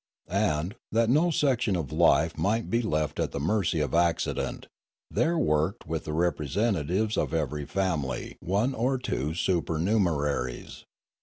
And, that no section of life might be left at the mercy of accident, there worked with the representa tives of every family one or two supernumeraries.